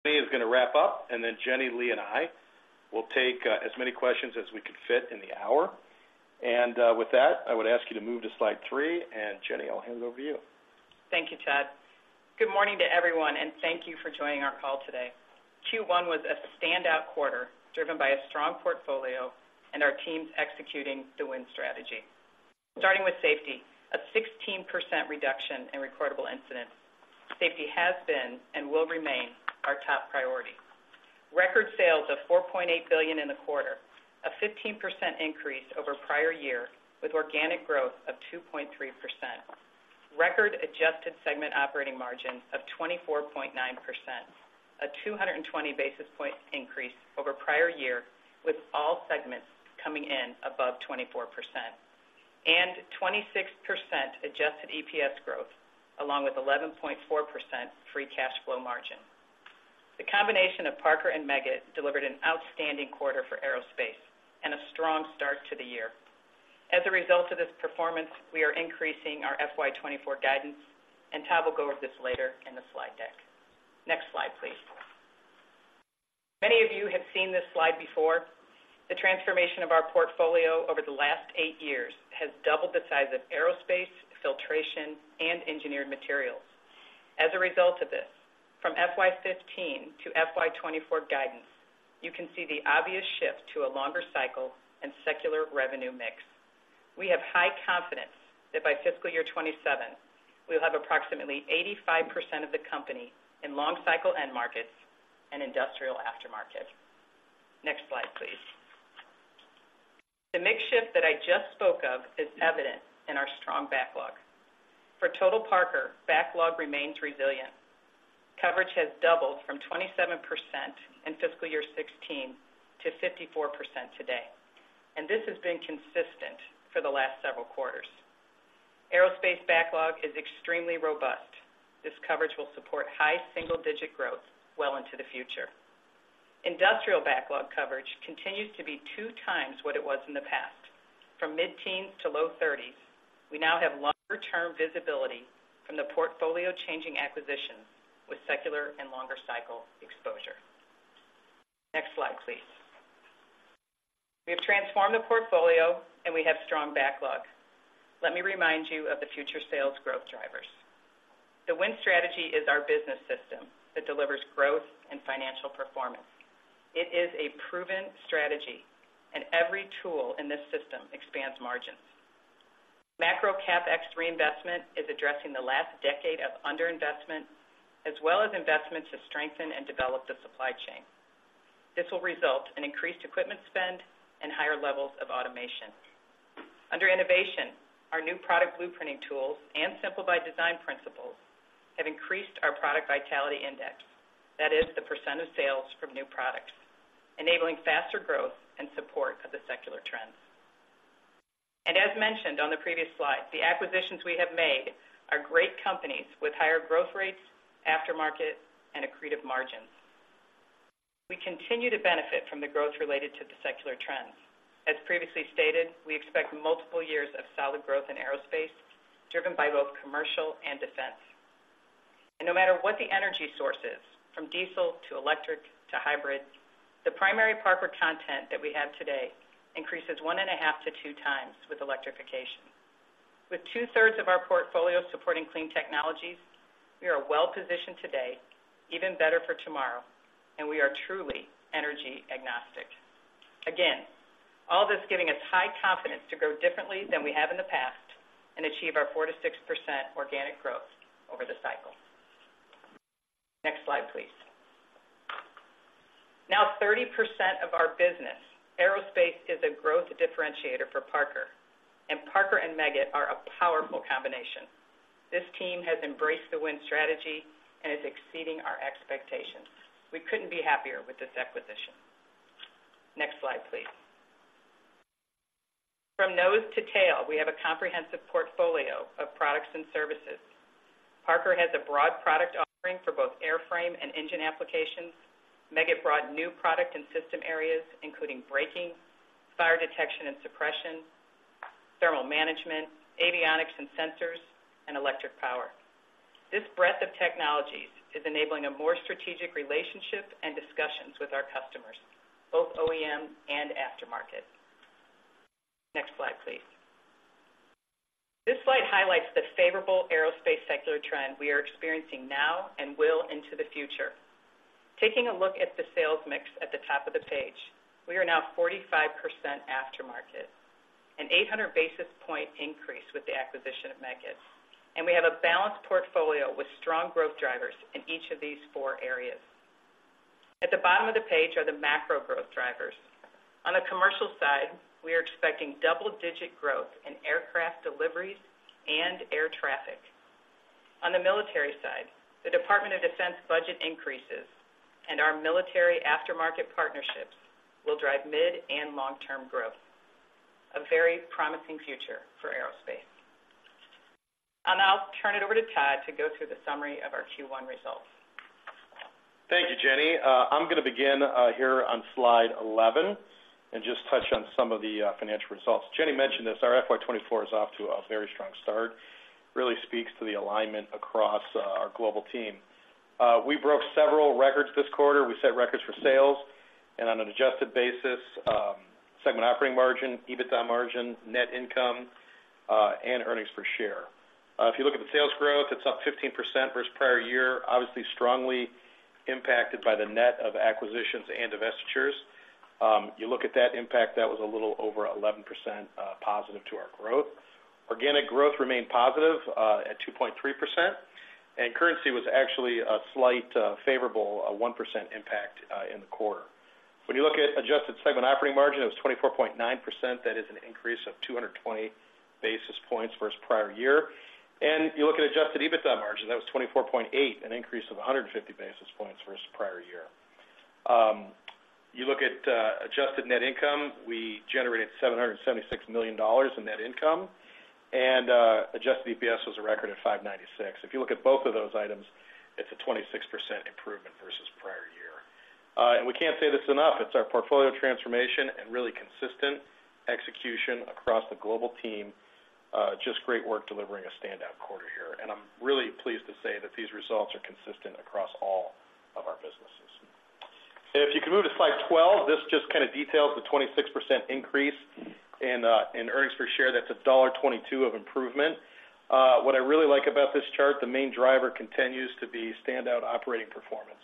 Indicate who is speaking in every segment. Speaker 1: Is going to wrap up, and then Jenny, Lee, and I will take as many questions as we can fit in the hour. And, with that, I would ask you to move to slide 3, and Jenny, I'll hand it over to you.
Speaker 2: Thank you, Todd. Good morning to everyone, and thank you for joining our call today. Q1 was a standout quarter, driven by a strong portfolio and our teams executing the Win Strategy. Starting with safety, a 16% reduction in recordable incidents. Safety has been and will remain our top priority. Record sales of $4.8 billion in the quarter, a 15% increase over prior year, with organic growth of 2.3%. Record adjusted segment operating margin of 24.9%, a 220 basis point increase over prior year, with all segments coming in above 24%, and 26% adjusted EPS growth, along with 11.4% free cash flow margin. The combination of Parker and Meggitt delivered an outstanding quarter for aerospace and a strong start to the year. As a result of this performance, we are increasing our FY 2024 guidance, and Todd will go over this later in the slide deck. Next slide, please. Many of you have seen this slide before. The transformation of our portfolio over the last 8 years has doubled the size of aerospace, filtration, and engineered materials. As a result of this, from FY 2015 to FY 2024 guidance, you can see the obvious shift to a longer cycle and secular revenue mix. We have high confidence that by fiscal year 2027, we will have approximately 85% of the company in long cycle end markets and industrial aftermarket. Next slide, please. The mix shift that I just spoke of is evident in our strong backlog. For total Parker, backlog remains resilient. Coverage has doubled from 27% in fiscal year 2016 to 54% today, and this has been consistent for the last several quarters. Aerospace backlog is extremely robust. This coverage will support high single-digit growth well into the future. Industrial backlog coverage continues to be two times what it was in the past. From mid-teens to low thirties, we now have longer-term visibility from the portfolio-changing acquisitions with secular and longer cycle exposure. Next slide, please. We have transformed the portfolio, and we have strong backlog. Let me remind you of the future sales growth drivers. The Win Strategy is our business system that delivers growth and financial performance. It is a proven strategy, and every tool in this system expands margins. Macro CapEx reinvestment is addressing the last decade of underinvestment, as well as investments to strengthen and develop the supply chain. This will result in increased equipment spend and higher levels of automation. Under innovation, our new product blueprinting tools and Simple by Design principles have increased our Product Vitality Index. That is the percent of sales from new products, enabling faster growth and support of the secular trends. As mentioned on the previous slide, the acquisitions we have made are great companies with higher growth rates, aftermarket, and accretive margins. We continue to benefit from the growth related to the secular trends. As previously stated, we expect multiple years of solid growth in aerospace, driven by both commercial and defense. No matter what the energy source is, from diesel to electric to hybrid, the primary Parker content that we have today increases 1.5-2 times with electrification. With two-thirds of our portfolio supporting clean technologies, we are well positioned today, even better for tomorrow, and we are truly energy agnostic. Again, all this giving us high confidence to grow differently than we have in the past and achieve our 4%-6% organic growth over the cycle. Next slide, please. Now, 30% of our business, aerospace, is a growth differentiator for Parker, and Parker and Meggitt are a powerful combination. This team has embraced the Win Strategy and is exceeding our expectations. We couldn't be happier with this acquisition. Next slide, please. From nose to tail, we have a comprehensive portfolio of products and services. Parker has a broad product offering for both airframe and engine applications. Meggitt brought new product and system areas, including braking, fire detection and suppression, thermal management, avionics and sensors, and electric power. This breadth of technologies is enabling a more strategic relationship and discussions with our customers, both OEM and aftermarket. Next slide, please. This slide highlights the favorable aerospace secular trend we are experiencing now and will into the future. Taking a look at the sales mix at the top of the page, we are now 45% aftermarket, an 800 basis point increase with the acquisition of Meggitt, and we have a balanced portfolio with strong growth drivers in each of these four areas. At the bottom of the page are the macro growth drivers. On the commercial side, we are expecting double-digit growth in aircraft deliveries and air traffic. On the military side, the Department of Defense budget increases, and our military aftermarket partnerships will drive mid and long-term growth, a very promising future for aerospace. I'll now turn it over to Todd to go through the summary of our Q1 results.
Speaker 1: Thank you, Jenny. I'm going to begin here on slide 11 and just touch on some of the financial results. Jenny mentioned this, our FY 2024 is off to a very strong start. Really speaks to the alignment across our global team. We broke several records this quarter. We set records for sales, and on an adjusted basis, segment operating margin, EBITDA margin, net income, and earnings per share. If you look at the sales growth, it's up 15% versus prior year, obviously strongly impacted by the net of acquisitions and divestitures. You look at that impact, that was a little over 11%+ to our growth. Organic growth remained positive at 2.3%, and currency was actually a slight favorable a 1% impact in the quarter. When you look at adjusted segment operating margin, it was 24.9%. That is an increase of 220 basis points versus prior year. And you look at adjusted EBITDA margin, that was 24.8, an increase of 150 basis points versus prior year. You look at adjusted net income, we generated $776 million in net income, and adjusted EPS was a record at 5.96. If you look at both of those items, it's a 26% improvement versus prior year. And we can't say this enough, it's our portfolio transformation and really consistent execution across the global team, just great work delivering a standout quarter here. And I'm really pleased to say that these results are consistent across all of our businesses. If you can move to slide 12, this just kind of details the 26% increase in earnings per share. That's $1.22 of improvement. What I really like about this chart, the main driver continues to be standout operating performance.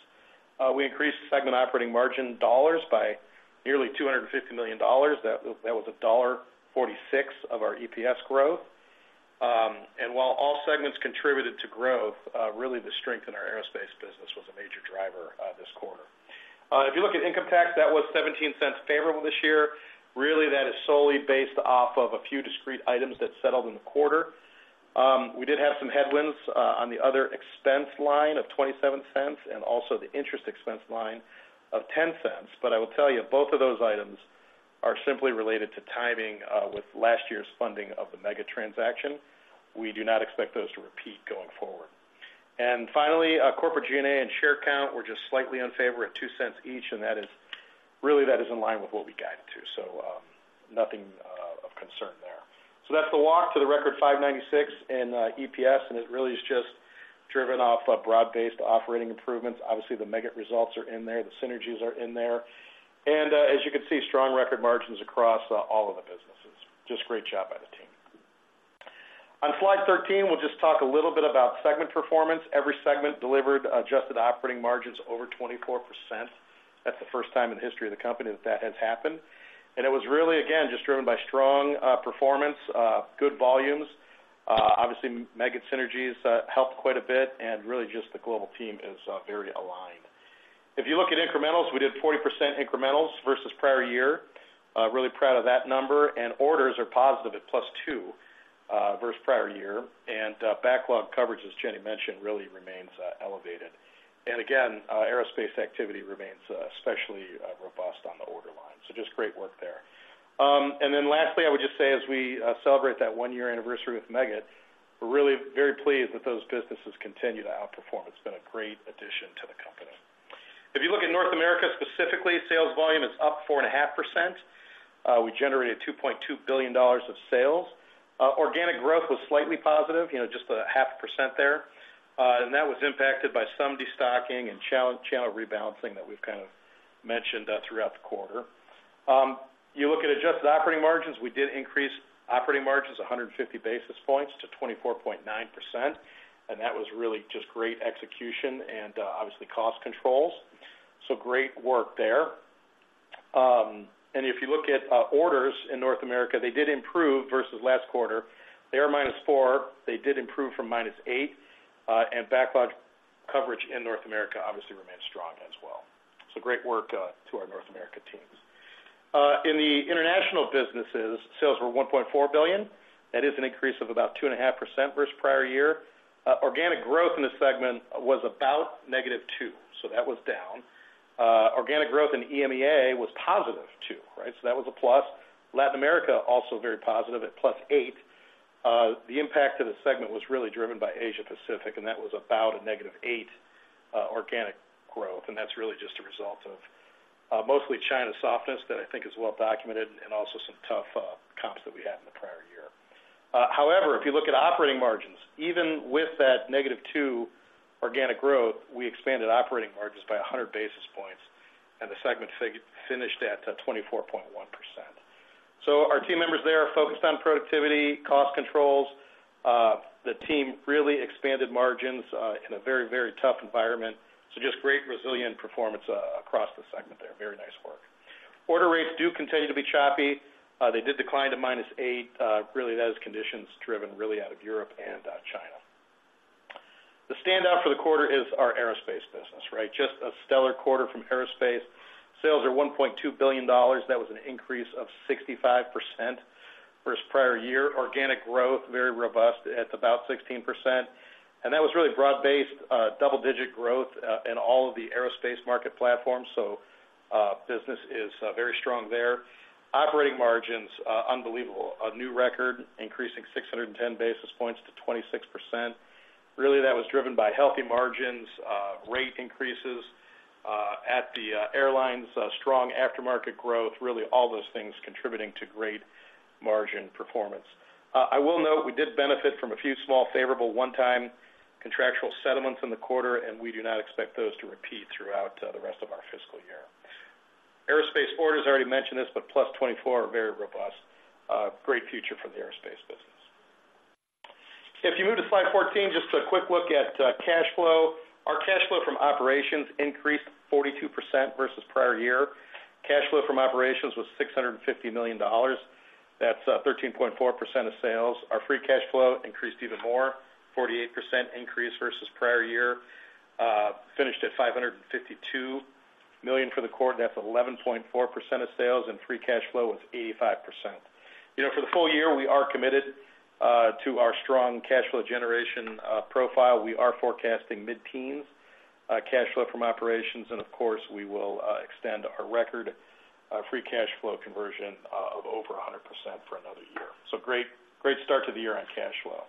Speaker 1: We increased segment operating margin dollars by nearly $250 million. That was $1.46 of our EPS growth. And while all segments contributed to growth, really, the strength in our aerospace business was a major driver this quarter. If you look at income tax, that was $0.17 favorable this year. Really, that is solely based off of a few discrete items that settled in the quarter. We did have some headwinds on the other expense line of $0.27 and also the interest expense line of $0.10. But I will tell you, both of those items are simply related to timing with last year's funding of the Meggitt transaction. We do not expect those to repeat going forward. And finally, corporate G&A and share count were just slightly unfavorable at $0.02 each, and that is, really, that is in line with what we guided to. So, nothing of concern there. So that's the walk to the record $5.96 in EPS, and it really is just driven off of broad-based operating improvements. Obviously, the Meggitt results are in there, the synergies are in there. And, as you can see, strong record margins across all of the businesses. Just great job by the team. On slide 13, we'll just talk a little bit about segment performance. Every segment delivered adjusted operating margins over 24%. That's the first time in the history of the company that that has happened. It was really, again, just driven by strong, performance, good volumes. Obviously, Meggitt synergies helped quite a bit, and really, just the global team is very aligned. If you look at incrementals, we did 40% incrementals versus prior year. Really proud of that number, and orders are positive at +2 versus prior year. Backlog coverage, as Jenny mentioned, really remains elevated. Aerospace activity remains especially robust on the order line. Just great work there. Lastly, I would just say as we celebrate that one-year anniversary with Meggitt, we're really very pleased that those businesses continue to outperform. It's been a great addition to the company. If you look at North America, specifically, sales volume is up 4.5%. We generated $2.2 billion of sales. Organic growth was slightly positive, you know, just 0.5% there. And that was impacted by some destocking and channel rebalancing that we've kind of mentioned throughout the quarter. You look at adjusted operating margins, we did increase operating margins 150 basis points to 24.9%, and that was really just great execution and, obviously, cost controls. So great work there. And if you look at orders in North America, they did improve versus last quarter. They were -4. They did improve from -8, and backlog coverage in North America obviously remains strong as well. So great work to our North America teams. In the international businesses, sales were $1.4 billion. That is an increase of about 2.5% versus prior year. Organic growth in this segment was about -2%, so that was down. Organic growth in EMEA was +2%, right? So that was a plus. Latin America, also very positive at +8%. The impact to the segment was really driven by Asia Pacific, and that was about -8% organic growth, and that's really just a result of mostly China softness that I think is well documented, and also some tough comps that we had in the prior year. However, if you look at operating margins, even with that -2% organic growth, we expanded operating margins by 100 basis points, and the segment finished at 24.1%. So our team members there are focused on productivity, cost controls. The team really expanded margins, in a very, very tough environment. So just great resilient performance, across the segment there. Very nice work. Order rates do continue to be choppy. They did decline to -8. Really, that is conditions driven really out of Europe and, China. The standout for the quarter is our aerospace business, right? Just a stellar quarter from aerospace. Sales are $1.2 billion. That was an increase of 65% versus prior year. Organic growth, very robust at about 16%. And that was really broad-based, double-digit growth, in all of the aerospace market platforms, so, business is, very strong there. Operating margins, unbelievable. A new record, increasing 610 basis points to 26%. Really, that was driven by healthy margins, rate increases at the airlines, strong aftermarket growth, really all those things contributing to great margin performance. I will note, we did benefit from a few small, favorable one-time contractual settlements in the quarter, and we do not expect those to repeat throughout the rest of our fiscal year. Aerospace orders, I already mentioned this, but +24% are very robust. Great future for the aerospace business. If you move to slide 14, just a quick look at cash flow. Our cash flow from operations increased 42% versus prior year. Cash flow from operations was $650 million. That's 13.4% of sales. Our free cash flow increased even more, 48% increase versus prior year, finished at $552 million for the quarter. That's 11.4% of sales, and free cash flow was 85%. You know, for the full year, we are committed to our strong cash flow generation profile. We are forecasting mid-teens cash flow from operations, and of course, we will extend our record free cash flow conversion of over 100% for another year. So great, great start to the year on cash flow.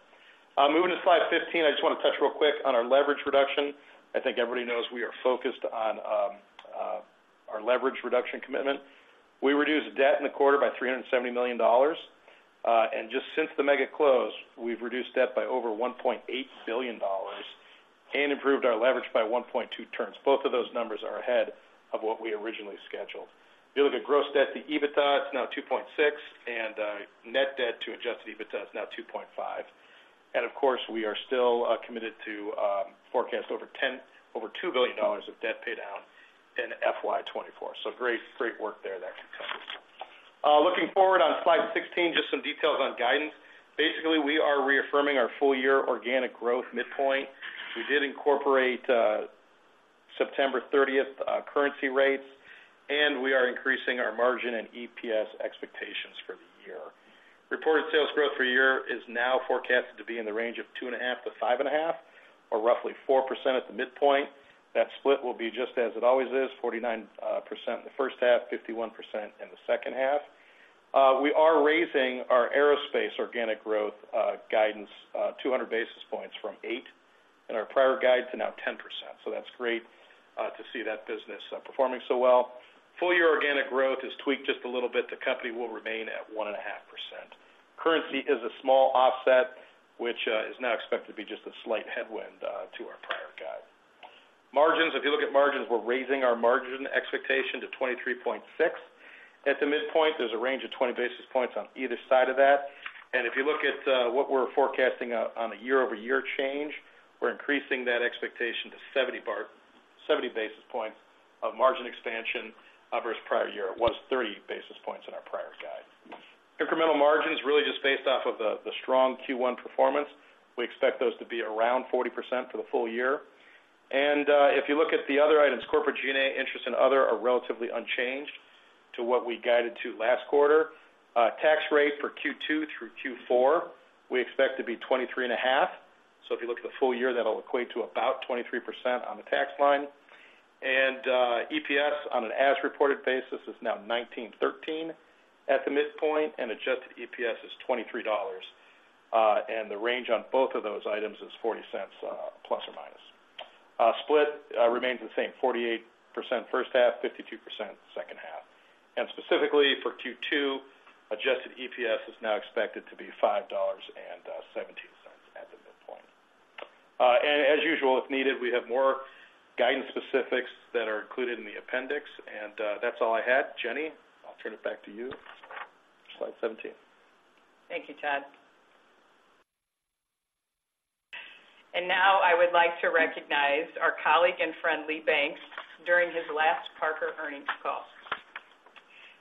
Speaker 1: Moving to slide 15, I just wanna touch real quick on our leverage reduction. I think everybody knows we are focused on our leverage reduction commitment. We reduced debt in the quarter by $370 million, and just since the Meggitt close, we've reduced debt by over $1.8 billion and improved our leverage by 1.2 turns. Both of those numbers are ahead of what we originally scheduled. If you look at gross debt to EBITDA, it's now 2.6, and net debt to adjusted EBITDA is now 2.5. And of course, we are still committed to forecast over $2 billion of debt pay down in FY 2024. So great, great work there that can come. Looking forward on slide 16, just some details on guidance. Basically, we are reaffirming our full-year organic growth midpoint. We did incorporate September 30 currency rates, and we are increasing our margin and EPS expectations for the year. Reported sales growth for year is now forecasted to be in the range of 2.5%-5.5%, or roughly 4% at the midpoint. That split will be just as it always is, 49% in the first half, 51% in the second half. We are raising our aerospace organic growth guidance 200 basis points from 8% in our prior guide to now 10%. So that's great to see that business performing so well. Full year organic growth is tweaked just a little bit. The company will remain at 1.5%. Currency is a small offset, which is now expected to be just a slight headwind to our prior guide. Margins, if you look at margins, we're raising our margin expectation to 23.6%. At the midpoint, there's a range of 20 basis points on either side of that. And if you look at what we're forecasting on a year-over-year change, we're increasing that expectation to 70 basis points of margin expansion versus prior year. It was 30 basis points in our prior guide. Incremental margins, really just based off of the strong Q1 performance. We expect those to be around 40% for the full year. And if you look at the other items, corporate G&A, interest, and other are relatively unchanged to what we guided to last quarter. Tax rate for Q2 through Q4, we expect to be 23.5%. So if you look at the full year, that'll equate to about 23% on the tax line. And EPS on an as-reported basis is now $19.13 at the midpoint, and adjusted EPS is $23. And the range on both of those items is 40 cents ±. Split remains the same, 48% first half, 52% second half. And specifically for Q2, adjusted EPS is now expected to be $5.17 at the midpoint. And as usual, if needed, we have more guidance specifics that are included in the appendix, and that's all I had. Jenny, I'll turn it back to you. Slide 17.
Speaker 2: Thank you, Todd. And now I would like to recognize our colleague and friend, Lee Banks, during his last Parker earnings call.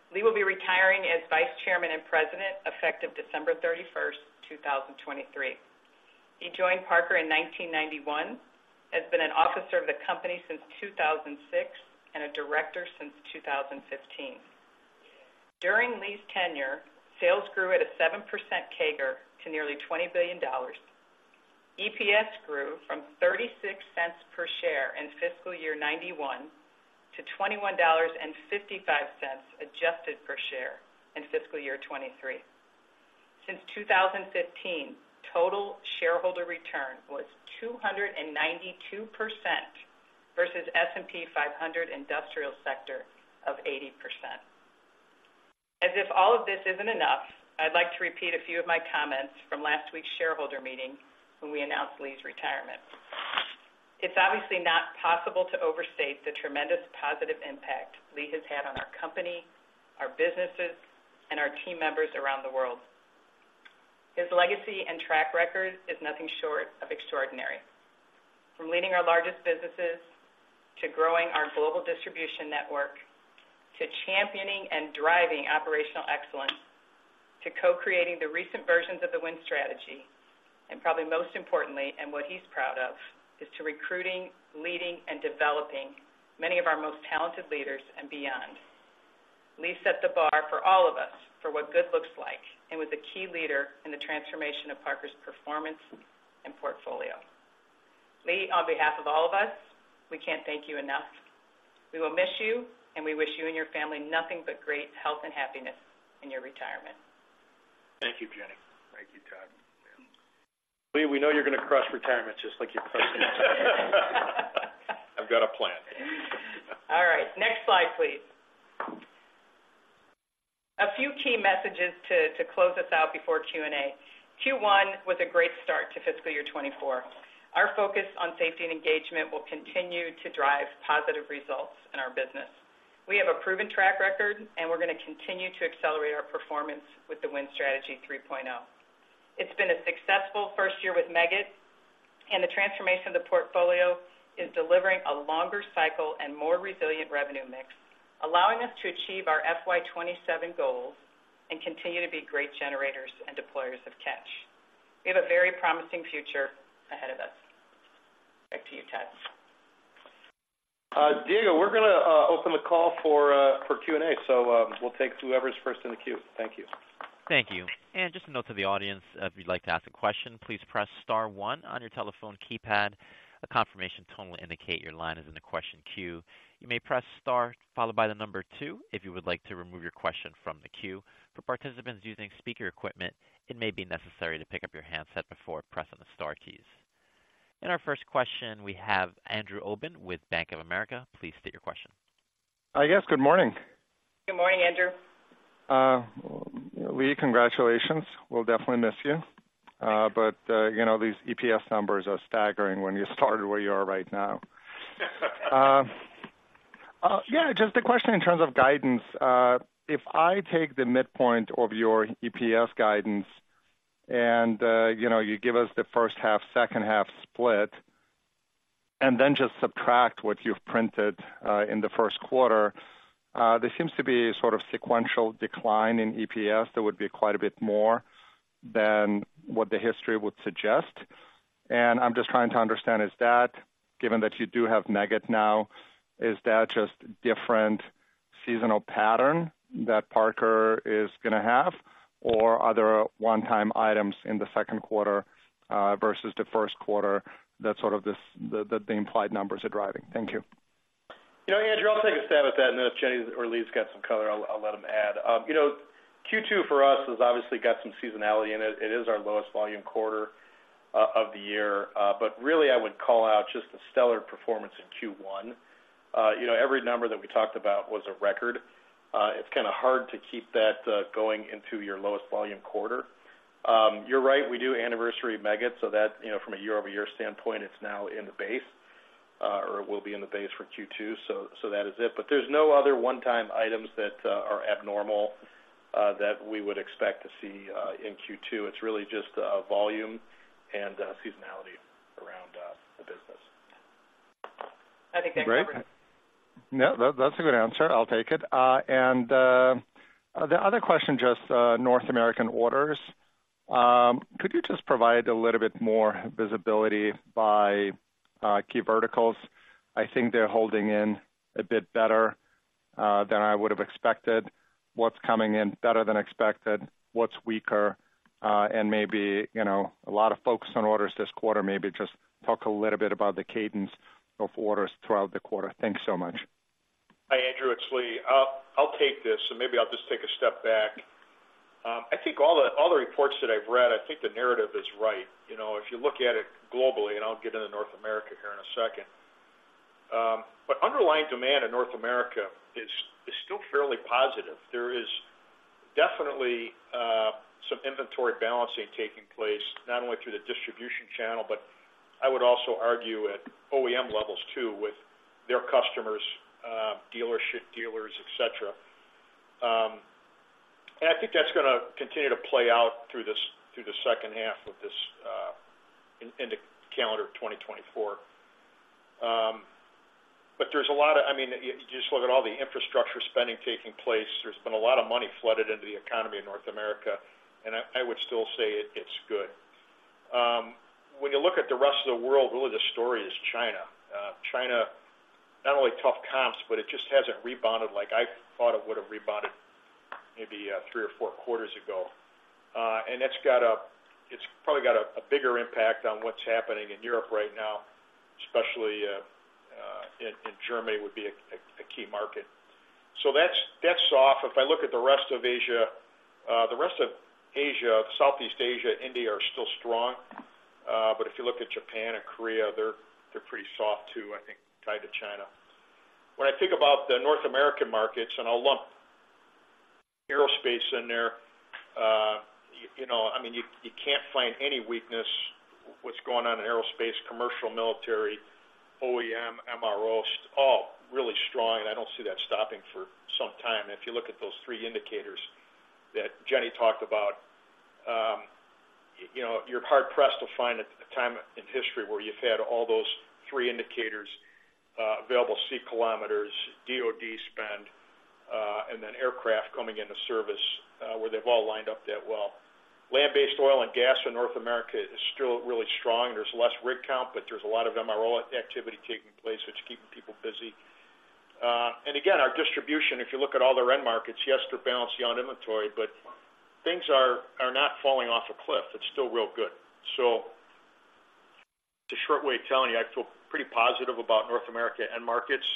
Speaker 2: Lee will be retiring as vice chairman and president, effective December thirty-first, 2023. He joined Parker in 1991, has been an officer of the company since 2006, and a director since 2015. During Lee's tenure, sales grew at a 7% CAGR to nearly $20 billion. EPS grew from $0.36 per share in fiscal year 1991 to $21.55 adjusted per share in fiscal year 2023. Since 2015, total shareholder return was 292% versus S&P 500 industrial sector of 80%. As if all of this isn't enough, I'd like to repeat a few of my comments from last week's shareholder meeting when we announced Lee's retirement. It's obviously not possible to overstate the tremendous positive impact Lee has had on our company, our businesses, and our team members around the world. His legacy and track record is nothing short of extraordinary. From leading our largest businesses, to growing our global distribution network, to championing and driving operational excellence, to co-creating the recent versions of the Win Strategy, and probably most importantly, and what he's proud of, is to recruiting, leading, and developing many of our most talented leaders and beyond. Lee set the bar for all of us for what good looks like and was a key leader in the transformation of Parker's performance and portfolio. Lee, on behalf of all of us, we can't thank you enough.... We will miss you, and we wish you and your family nothing but great health and happiness in your retirement.
Speaker 1: Thank you, Jenny.
Speaker 3: Thank you, Todd.
Speaker 1: Lee, we know you're gonna crush retirement just like you crushed everything.
Speaker 3: I've got a plan.
Speaker 2: All right, next slide, please. A few key messages to close us out before Q&A. Q1 was a great start to fiscal year 2024. Our focus on safety and engagement will continue to drive positive results in our business. We have a proven track record, and we're gonna continue to accelerate our performance with the Win Strategy 3.0. It's been a successful first year with Meggitt, and the transformation of the portfolio is delivering a longer cycle and more resilient revenue mix, allowing us to achieve our FY 2027 goals and continue to be great generators and deployers of cash. We have a very promising future ahead of us. Back to you, Todd.
Speaker 1: Diego, we're gonna open the call for Q&A, so we'll take whoever's first in the queue. Thank you.
Speaker 4: Thank you. Just a note to the audience, if you'd like to ask a question, please press star one on your telephone keypad. A confirmation tone will indicate your line is in the question queue. You may press star followed by the number two, if you would like to remove your question from the queue. For participants using speaker equipment, it may be necessary to pick up your handset before pressing the star keys. Our first question, we have Andrew Obin with Bank of America. Please state your question.
Speaker 5: I guess, good morning.
Speaker 2: Good morning, Andrew.
Speaker 5: Lee, congratulations. We'll definitely miss you. But you know, these EPS numbers are staggering when you started where you are right now. Yeah, just a question in terms of guidance. If I take the midpoint of your EPS guidance and, you know, you give us the first half, second half split, and then just subtract what you've printed, in the first quarter, there seems to be a sort of sequential decline in EPS that would be quite a bit more than what the history would suggest. And I'm just trying to understand, is that, given that you do have Meggitt now, is that just different seasonal pattern that Parker is gonna have, or are there one-time items in the second quarter, versus the first quarter that sort of the implied numbers are driving? Thank you.
Speaker 1: You know, Andrew, I'll take a stab at that, and then if Jenny or Lee's got some color, I'll let them add. You know, Q2 for us has obviously got some seasonality in it. It is our lowest volume quarter of the year. But really, I would call out just the stellar performance in Q1. You know, every number that we talked about was a record. It's kind of hard to keep that going into your lowest volume quarter. You're right, we do anniversary Meggitt, so that, you know, from a year-over-year standpoint, it's now in the base or will be in the base for Q2. So that is it. But there's no other one-time items that are abnormal that we would expect to see in Q2. It's really just volume and seasonality around the business.
Speaker 2: I think that covers it.
Speaker 5: Great. No, that, that's a good answer. I'll take it. And the other question, just North American orders. Could you just provide a little bit more visibility by key verticals? I think they're holding in a bit better than I would have expected. What's coming in better than expected? What's weaker? And maybe, you know, a lot of focus on orders this quarter. Maybe just talk a little bit about the cadence of orders throughout the quarter. Thanks so much.
Speaker 3: Hi, Andrew, it's Lee. I'll take this, and maybe I'll just take a step back. I think all the reports that I've read, I think the narrative is right. You know, if you look at it globally, and I'll get into North America here in a second. But underlying demand in North America is still fairly positive. There is definitely some inventory balancing taking place, not only through the distribution channel, but I would also argue at OEM levels too, with their customers, dealership, dealers, et cetera. And I think that's gonna continue to play out through the second half of this in the calendar of 2024. But there's a lot of... I mean, you just look at all the infrastructure spending taking place. There's been a lot of money flooded into the economy in North America, and I would still say it, it's good. When you look at the rest of the world, really the story is China. China, not only tough comps, but it just hasn't rebounded like I thought it would have rebounded maybe three or four quarters ago. And it's got a it's probably got a bigger impact on what's happening in Europe right now, especially in Germany, would be a key market. So that's soft. If I look at the rest of Asia, the rest of Asia, Southeast Asia, India, are still strong. But if you look at Japan and Korea, they're pretty soft too, I think, tied to China. When I think about the North American markets, and I'll lump aerospace in there, you know, I mean, you can't find any weakness. What's going on in aerospace, commercial, military, OEM, MRO, all really strong, and I don't see that stopping for some time. If you look at those three indicators that Jenny talked about, you know, you're hard-pressed to find a time in history where you've had all those three indicators, available seat kilometers, DoD spend, and then aircraft coming into service, where they've all lined up that well. Land-based oil and gas in North America is still really strong. There's less rig count, but there's a lot of MRO activity taking place, which is keeping people busy. And again, our distribution, if you look at all the end markets, yes, they're balancing on inventory, but things are not falling off a cliff. It's still real good. It's a short way of telling you, I feel pretty positive about North America end markets.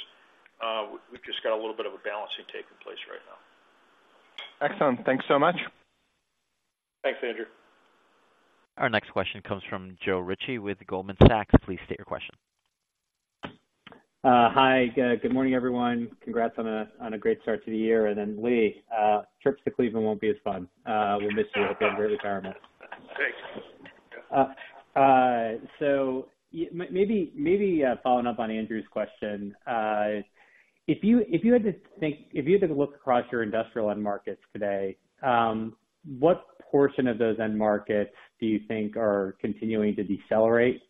Speaker 3: We've just got a little bit of a balancing taking place right now.
Speaker 5: Excellent. Thanks so much.
Speaker 3: Thanks, Andrew.
Speaker 4: Our next question comes from Joe Ritchie with Goldman Sachs. Please state your question.
Speaker 6: Hi, good morning, everyone. Congrats on a great start to the year. And then, Lee, trips to Cleveland won't be as fun. We'll miss you at retirement.
Speaker 3: Thanks.
Speaker 6: So maybe, maybe, following up on Andrew's question, if you had to look across your industrial end markets today, what portion of those end markets do you think are continuing to decelerate?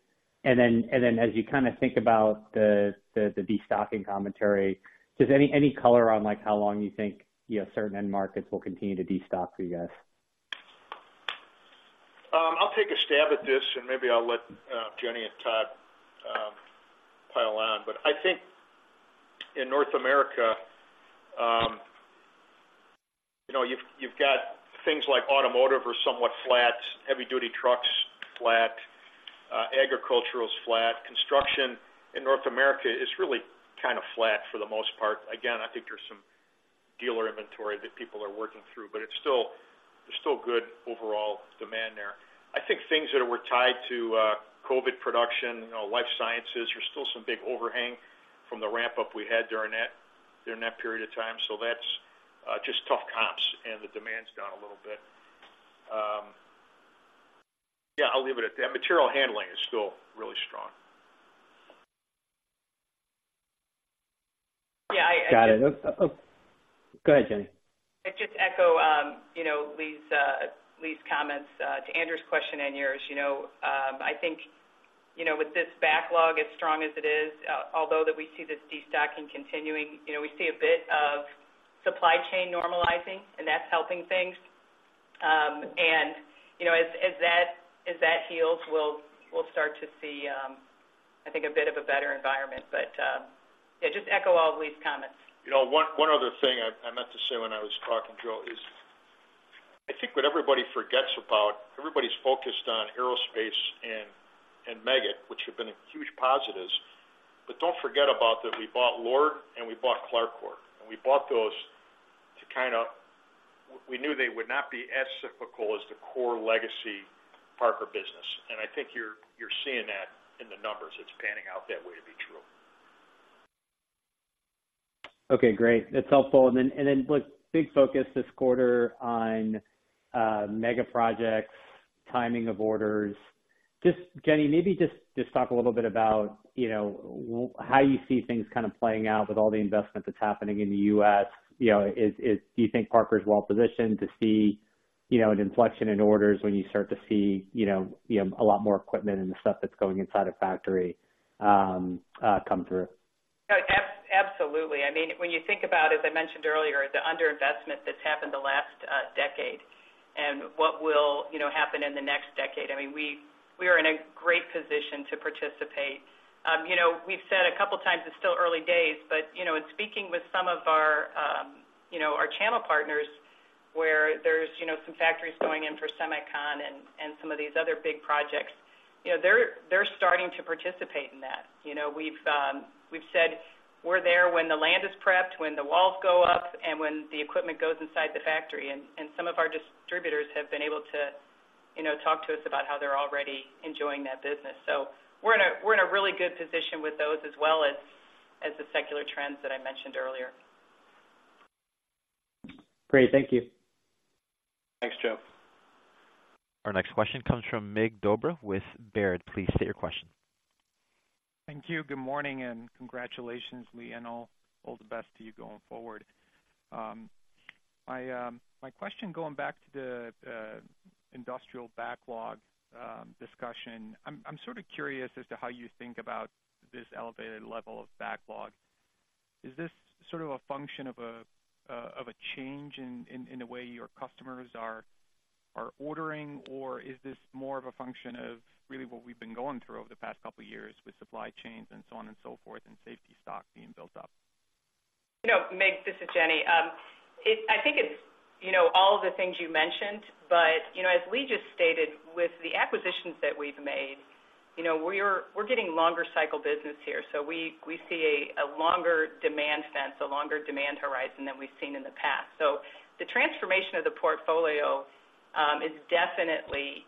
Speaker 6: And then, as you kind of think about the destocking commentary, does any color on, like, how long you think, you know, certain end markets will continue to destock for you guys?
Speaker 3: I'll take a stab at this, and maybe I'll let Jenny and Todd pile on. But I think in North America, you know, you've got things like automotive are somewhat flat, heavy duty trucks, flat, agricultural is flat. Construction in North America is really kind of flat for the most part. Again, I think there's some dealer inventory that people are working through, but there's still good overall demand there. I think things that were tied to COVID production, you know, life sciences, there's still some big overhang from the ramp-up we had during that period of time. So that's just tough comps, and the demand's down a little bit. Yeah, I'll leave it at that. Material handling is still really strong.
Speaker 2: Yeah, I-
Speaker 6: Got it. Go ahead, Jenny.
Speaker 2: I just echo, you know, Lee's comments to Andrew's question and yours. You know, I think, you know, with this backlog as strong as it is, although that we see this destocking continuing, you know, we see a bit of supply chain normalizing, and that's helping things. And, you know, as that heals, we'll start to see, I think, a bit of a better environment. But, yeah, just echo all of Lee's comments.
Speaker 3: You know, one other thing I meant to say when I was talking, Joe, is I think what everybody forgets about, everybody's focused on aerospace and Meggitt, which have been a huge positive. But don't forget about that we bought Lord and we bought Clarcor, and we bought those to kind of... We knew they would not be as cyclical as the core legacy Parker business, and I think you're seeing that in the numbers. It's panning out that way to be true.
Speaker 6: Okay, great. That's helpful. And then, and then, look, big focus this quarter on mega projects, timing of orders. Just, Jenny, maybe just, just talk a little bit about, you know, how you see things kind of playing out with all the investment that's happening in the U.S. You know, is, do you think Parker is well-positioned to see, you know, an inflection in orders when you start to see, you know, you know, a lot more equipment and the stuff that's going inside a factory, come through?
Speaker 2: Absolutely. I mean, when you think about, as I mentioned earlier, the underinvestment that's happened the last decade and what will, you know, happen in the next decade, I mean, we are in a great position to participate. You know, we've said a couple of times, it's still early days, but, you know, in speaking with some of our, you know, our channel partners, where there's, you know, some factories going in for semicon and some of these other big projects, you know, they're starting to participate in that. You know, we've said we're there when the land is prepped, when the walls go up, and when the equipment goes inside the factory, and some of our distributors have been able to, you know, talk to us about how they're already enjoying that business. So we're in a really good position with those as well as the secular trends that I mentioned earlier.
Speaker 6: Great. Thank you.
Speaker 3: Thanks, Joe.
Speaker 4: Our next question comes from Mig Dobre with Baird. Please state your question.
Speaker 7: Thank you. Good morning, and congratulations, Lee, and all the best to you going forward. My question, going back to the industrial backlog discussion, I'm sort of curious as to how you think about this elevated level of backlog. Is this sort of a function of a change in the way your customers are ordering, or is this more of a function of really what we've been going through over the past couple of years with supply chains and so on and so forth, and safety stock being built up?
Speaker 2: You know, Mig, this is Jenny. I think it's, you know, all the things you mentioned, but, you know, as Lee just stated, with the acquisitions that we've made, you know, we're, we're getting longer cycle business here. So we, we see a, a longer demand fence, a longer demand horizon than we've seen in the past. So the transformation of the portfolio is definitely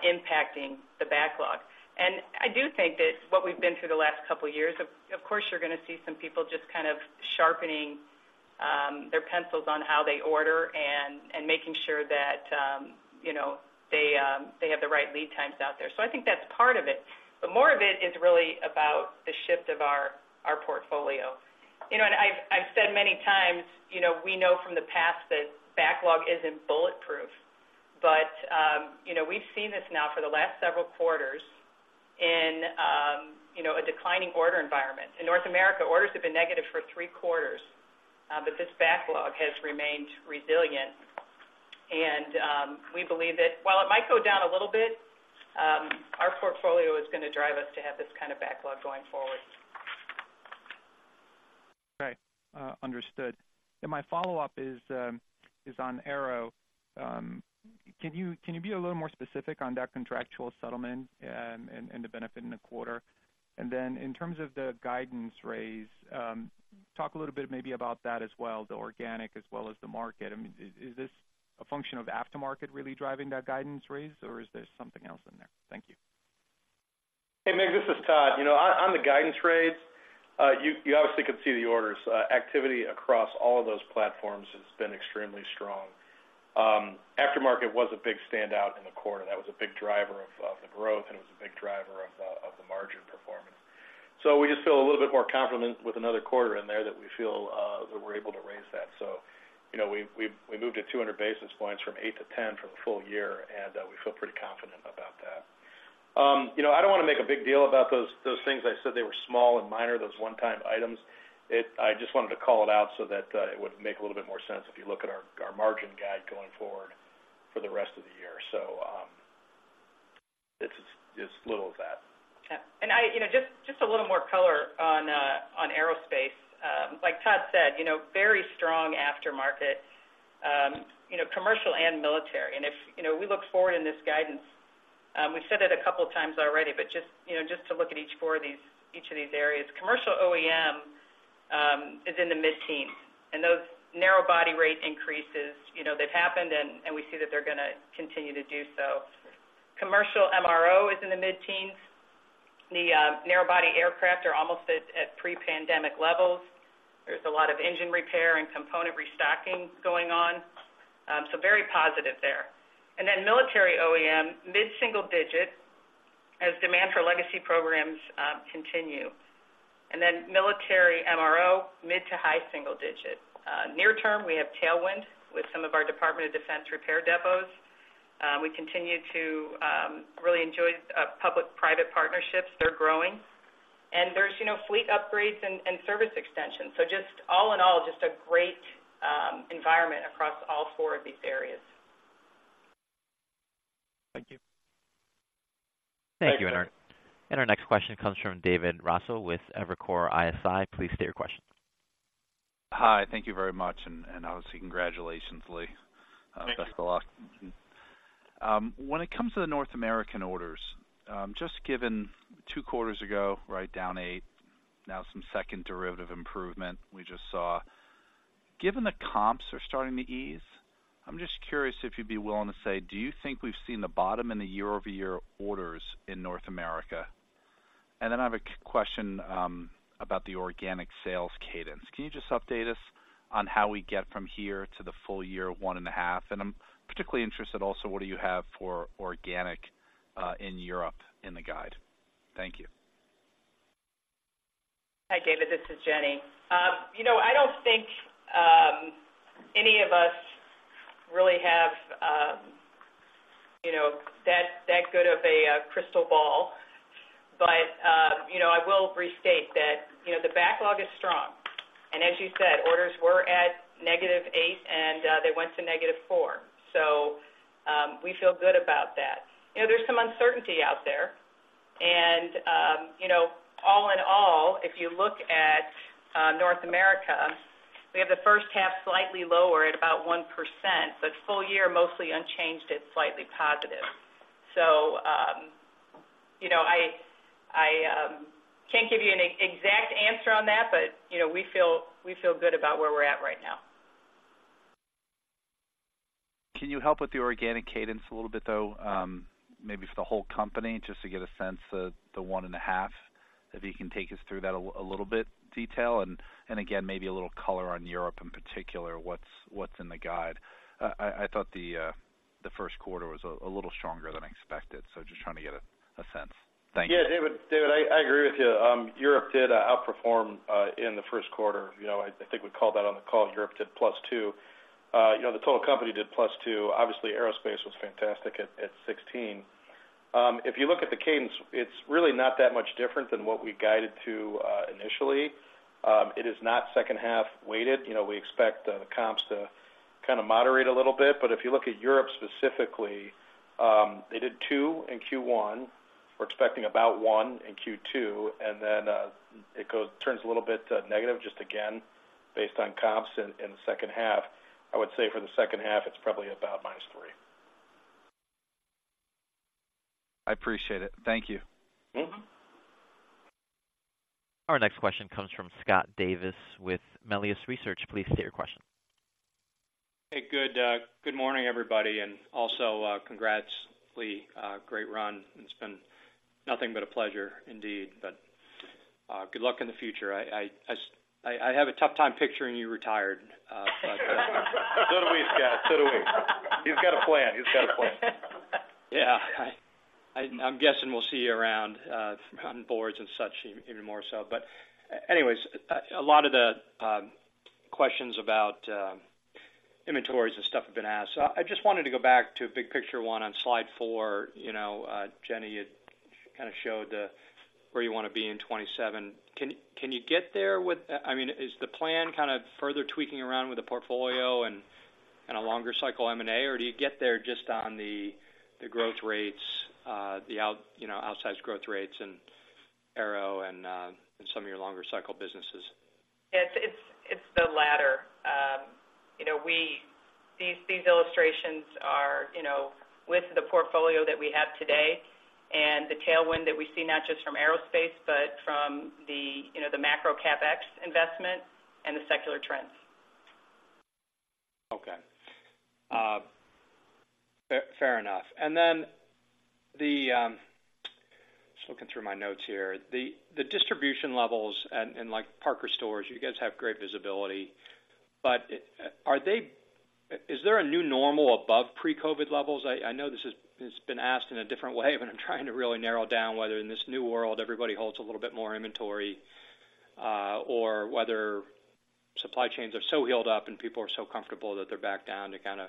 Speaker 2: impacting the backlog. And I do think that what we've been through the last couple of years, of, of course, you're going to see some people just kind of sharpening their pencils on how they order and, and making sure that, you know, they, they have the right lead times out there. So I think that's part of it. But more of it is really about the shift of our, our portfolio. You know, and I've said many times, you know, we know from the past that backlog isn't bulletproof, but, you know, we've seen this now for the last several quarters in, you know, a declining order environment. In North America, orders have been negative for three quarters, but this backlog has remained resilient. We believe that while it might go down a little bit, our portfolio is going to drive us to have this kind of backlog going forward.
Speaker 7: Right. Understood. And my follow-up is, is on Aero. Can you be a little more specific on that contractual settlement, and the benefit in the quarter? And then in terms of the guidance raise, talk a little bit maybe about that as well, the organic as well as the market. I mean, is this a function of aftermarket really driving that guidance raise, or is there something else in there? Thank you.
Speaker 1: Hey, Mig, this is Todd. You know, on the guidance raise, you obviously could see the orders. Activity across all of those platforms has been extremely strong. Aftermarket was a big standout in the quarter. That was a big driver of the growth, and it was a big driver of the margin performance. So we just feel a little bit more confident with another quarter in there that we feel that we're able to raise that. So, you know, we moved to 200 basis points from 8-10 for the full year, and we feel pretty confident about that. You know, I don't wanna make a big deal about those things. I said they were small and minor, those one-time items. I just wanted to call it out so that it would make a little bit more sense if you look at our margin guide going forward for the rest of the year. So, it's as little as that.
Speaker 2: Yeah. I, you know, just a little more color on aerospace. Like Todd said, you know, very strong aftermarket, you know, commercial and military. And if, you know, we look forward in this guidance, we've said it a couple of times already, but just, you know, just to look at each of these areas. Commercial OEM is in the mid-teens, and those narrow-body rate increases, you know, they've happened, and we see that they're gonna continue to do so. Commercial MRO is in the mid-teens. The narrow-body aircraft are almost at pre-pandemic levels. There's a lot of engine repair and component restocking going on, so very positive there. And then military OEM, mid-single digits, as demand for legacy programs continue. And then military MRO, mid- to high-single digits. Near term, we have tailwind with some of our Department of Defense repair depots. We continue to really enjoy public-private partnerships. They're growing. And there's, you know, fleet upgrades and service extensions. So just all in all, just a great environment across all four of these areas.
Speaker 7: Thank you.
Speaker 4: Thank you. And our, and our next question comes from David Raso with Evercore ISI. Please state your question.
Speaker 8: Hi, thank you very much. And obviously, congratulations, Lee.
Speaker 1: Thank you.
Speaker 8: Best of luck. When it comes to the North American orders, just given two quarters ago, right down 8, now some second derivative improvement we just saw. Given the comps are starting to ease, I'm just curious if you'd be willing to say, do you think we've seen the bottom in the year-over-year orders in North America? And then I have a question about the organic sales cadence. Can you just update us on how we get from here to the full year 1.5%? And I'm particularly interested also, what do you have for organic in Europe in the guide? Thank you.
Speaker 2: Hi, David, this is Jenny. You know, I don't think any of us really have you know, that good of a crystal ball. But you know, I will restate that, you know, the backlog is strong. And as you said, orders were at -8, and they went to -4. So we feel good about that. You know, there's some uncertainty out there, and you know, all in all, if you look at North America, we have the first half slightly lower at about 1%, but full year, mostly unchanged at slightly positive. So you know, I can't give you an exact answer on that, but you know, we feel good about where we're at right now.
Speaker 8: Can you help with the organic cadence a little bit, though, maybe for the whole company, just to get a sense of the 1.5, if you can take us through that a little bit detail? And again, maybe a little color on Europe, in particular, what's in the guide. I thought the first quarter was a little stronger than I expected, so just trying to get a sense. Thank you.
Speaker 1: Yeah, David, David, I agree with you. Europe did outperform in the first quarter. You know, I think we called that on the call. Europe did +2. You know, the total company did +2. Obviously, aerospace was fantastic at 16. If you look at the cadence, it's really not that much different than what we guided to initially. It is not second half weighted. You know, we expect the comps to kind of moderate a little bit, but if you look at Europe specifically, they did 2 in Q1. We're expecting about 1 in Q2, and then it turns a little bit negative, just again, based on comps in the second half. I would say for the second half, it's probably about -3.
Speaker 8: I appreciate it. Thank you.
Speaker 1: Mm-hmm.
Speaker 4: Our next question comes from Scott Davis with Melius Research. Please state your question.
Speaker 9: Hey, good morning, everybody, and also, congrats, Lee. Great run. It's been nothing but a pleasure indeed, but good luck in the future. I have a tough time picturing you retired,
Speaker 1: So do we, Scott. So do we. He's got a plan. He's got a plan.
Speaker 9: Yeah, I'm guessing we'll see you around on boards and such even more so. But anyways, a lot of the questions about inventories and stuff have been asked. So I just wanted to go back to a big picture one on slide 4. You know, Jenny, you kind of showed the where you want to be in 2027. Can you get there with- I mean, is the plan kind of further tweaking around with the portfolio and- On a longer cycle M&A, or do you get there just on the growth rates, you know, outsized growth rates and Aero and some of your longer cycle businesses?
Speaker 2: Yeah, it's the latter. You know, these illustrations are, you know, with the portfolio that we have today and the tailwind that we see, not just from aerospace, but from the, you know, the macro CapEx investment and the secular trends.
Speaker 9: Okay. Fair enough. And then just looking through my notes here, the distribution levels and like ParkerStores, you guys have great visibility, but are they—is there a new normal above pre-COVID levels? I know this has been asked in a different way, but I'm trying to really narrow down whether in this new world, everybody holds a little bit more inventory or whether supply chains are so healed up and people are so comfortable that they're back down to kind of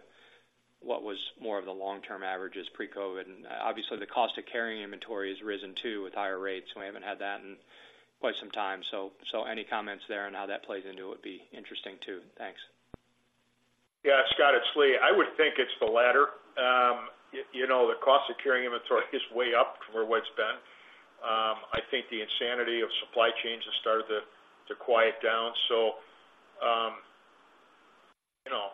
Speaker 9: what was more of the long-term averages pre-COVID. And obviously, the cost of carrying inventory has risen, too, with higher rates, and we haven't had that in quite some time. So any comments there on how that plays into it would be interesting, too. Thanks.
Speaker 3: Yeah, Scott, it's Lee. I would think it's the latter. You know, the cost of carrying inventory is way up from where it's been. I think the insanity of supply chains has started to quiet down. So, you know,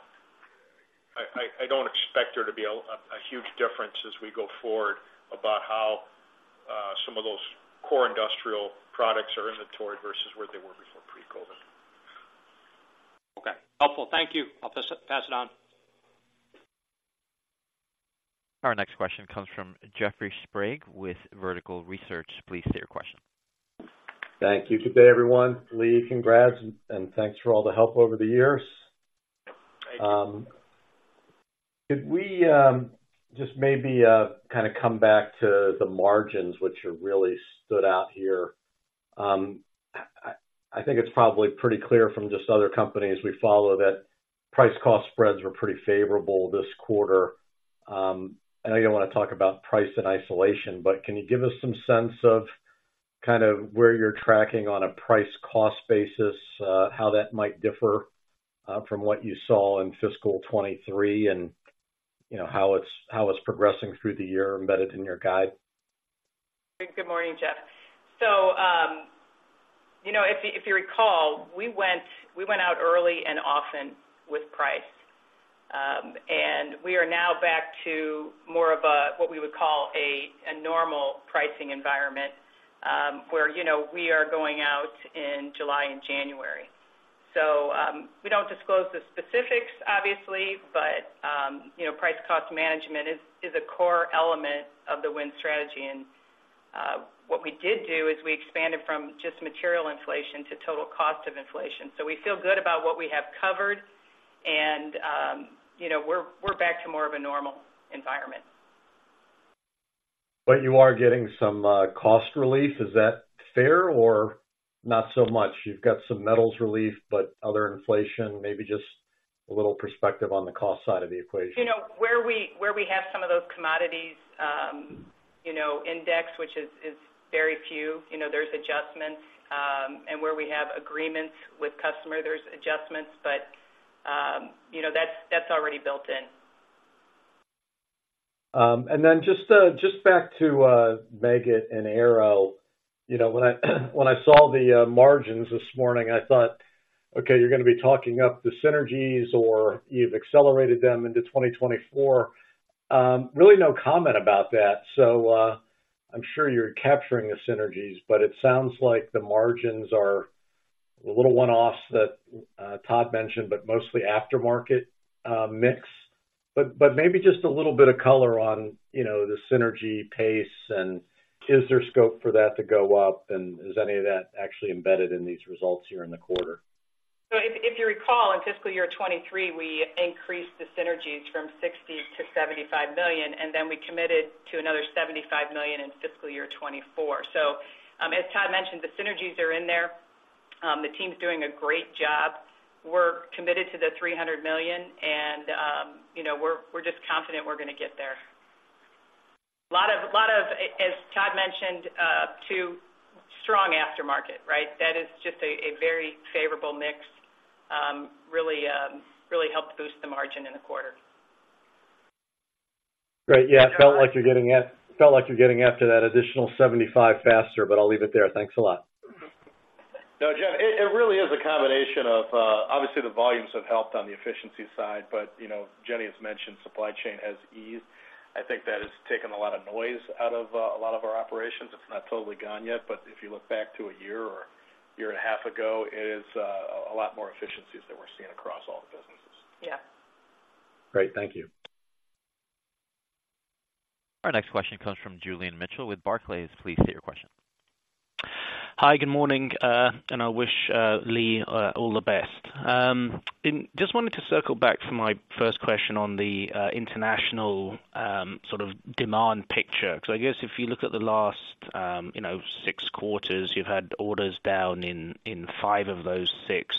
Speaker 3: I don't expect there to be a huge difference as we go forward about how some of those core industrial products are inventoried versus where they were before pre-COVID.
Speaker 9: Okay. Helpful. Thank you. I'll pass it, pass it on.
Speaker 4: Our next question comes from Jeffrey Sprague with Vertical Research. Please state your question.
Speaker 10: Thank you. Good day, everyone. Lee, congrats, and thanks for all the help over the years.
Speaker 3: Thank you.
Speaker 10: Could we just maybe kind of come back to the margins, which have really stood out here? I think it's probably pretty clear from just other companies we follow, that price cost spreads were pretty favorable this quarter. I know you don't want to talk about price in isolation, but can you give us some sense of kind of where you're tracking on a price cost basis, how that might differ from what you saw in fiscal 2023, and, you know, how it's progressing through the year embedded in your guide?
Speaker 2: Good morning, Jeff. So, you know, if you recall, we went out early and often with price. And we are now back to more of a, what we would call a normal pricing environment, where, you know, we are going out in July and January. So, we don't disclose the specifics, obviously, but, you know, price cost management is a core element of the Win Strategy. And, what we did do is we expanded from just material inflation to total cost of inflation. So we feel good about what we have covered, and, you know, we're back to more of a normal environment.
Speaker 10: But you are getting some cost relief. Is that fair or not so much? You've got some metals relief, but other inflation, maybe just a little perspective on the cost side of the equation.
Speaker 2: You know, where we have some of those commodities, you know, indexed, which is very few, you know, there's adjustments. And where we have agreements with customers, there's adjustments. But, you know, that's already built in.
Speaker 10: And then just back to Meggitt and Aero. You know, when I saw the margins this morning, I thought, "Okay, you're going to be talking up the synergies, or you've accelerated them into 2024." Really no comment about that. So, I'm sure you're capturing the synergies, but it sounds like the margins are the little one-offs that Todd mentioned, but mostly aftermarket mix. But maybe just a little bit of color on, you know, the synergy pace, and is there scope for that to go up, and is any of that actually embedded in these results here in the quarter?
Speaker 2: So if you recall, in fiscal year 2023, we increased the synergies from $60 million to $75 million, and then we committed to another $75 million in fiscal year 2024. So, as Todd mentioned, the synergies are in there. The team's doing a great job. We're committed to the $300 million, and, you know, we're just confident we're going to get there. A lot of, as Todd mentioned, too, strong aftermarket, right? That is just a very favorable mix. Really, really helped boost the margin in the quarter.
Speaker 10: Great. Yeah.
Speaker 2: Thanks, Jeff.
Speaker 10: Felt like you're getting after that additional 75 faster, but I'll leave it there. Thanks a lot.
Speaker 3: No, Jeff, it really is a combination of, obviously, the volumes have helped on the efficiency side, but, you know, Jenny has mentioned supply chain has eased. I think that has taken a lot of noise out of, a lot of our operations. It's not totally gone yet, but if you look back to a year or a year and a half ago, it is, a lot more efficiencies that we're seeing across all the businesses.
Speaker 2: Yeah.
Speaker 10: Great. Thank you.
Speaker 4: Our next question comes from Julian Mitchell with Barclays. Please state your question.
Speaker 11: Hi, good morning. And I wish Lee all the best. And just wanted to circle back to my first question on the international sort of demand picture. So I guess if you look at the last you know six quarters, you've had orders down in five of those six.